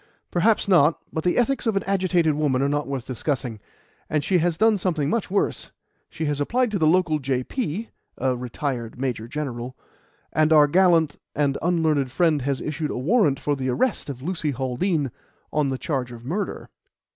"Perhaps not. But the ethics of an agitated woman are not worth discussing, and she has done something much worse she has applied to the local J.P. (a retired Major General), and our gallant and unlearned friend has issued a warrant for the arrest of Lucy Haldean on the charge of murder."